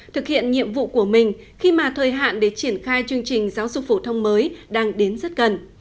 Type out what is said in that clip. thực hiện nhiệm vụ của mình khi mà thời hạn để triển khai chương trình giáo dục phổ thông mới đang đến rất gần